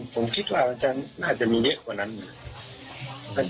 ผมคิดว่าน่าจะเหมือนเลี้ยงเข้ามากกว่านั้นนะ